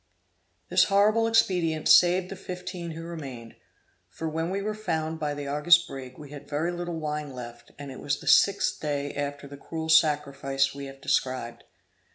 This horrible expedient saved the fifteen who remained; for when we were found by the Argus brig, we had very little wine left, and it was the sixth day after the cruel sacrifice we have described.